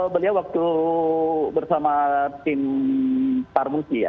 beliau waktu bersama tim parmusi ya